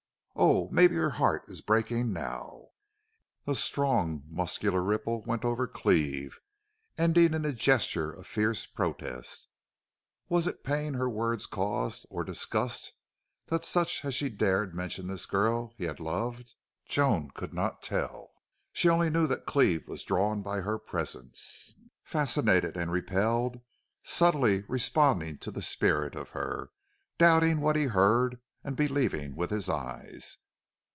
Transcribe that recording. Oh, maybe her heart is breaking now!" A strong, muscular ripple went over Cleve, ending in a gesture of fierce protest. Was it pain her words caused, or disgust that such as she dared mention the girl he had loved? Joan could not tell. She only knew that Cleve was drawn by her presence, fascinated and repelled, subtly responding to the spirit of her, doubting what he heard and believing with his eyes.